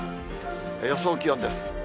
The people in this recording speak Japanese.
予想気温です。